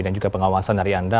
dan juga pengawasan dari anda